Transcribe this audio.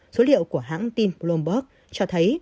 số liệu của hãng tin bloomberg cho thấy